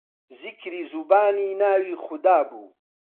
زیکری زوبانی ناوی خودابوو